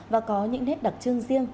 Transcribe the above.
và có những nét đặc trưng riêng